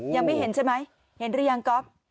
ยังไม่เห็นใช่ไหมเห็นหรือยังก๊อฟ